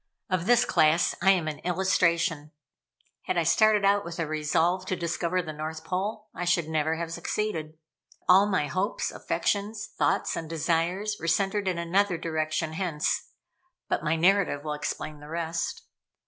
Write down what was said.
Of this class I am an illustration. Had I started out with a resolve to discover the North Pole, I should never have succeeded. But all my hopes, affections, thoughts, and desires were centered in another direction, hence but my narrative will explain the rest.